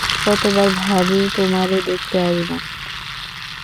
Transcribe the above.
কত বার ভাবি তোমারে দেখতে আসব।